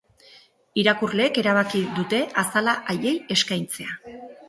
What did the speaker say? Irakurleek erabaki dute azala haiei eskaintzea.